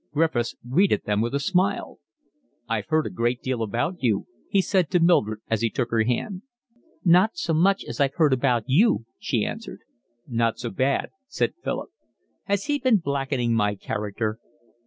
Griffiths greeted them with a smile. "I've heard a great deal about you," he said to Mildred, as he took her hand. "Not so much as I've heard about you," she answered. "Nor so bad," said Philip. "Has he been blackening my character?"